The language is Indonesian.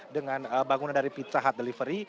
dengan bangunan dari pizza hut delivery